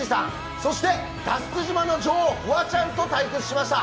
そして脱出島の女王・フワちゃんと対戦しました。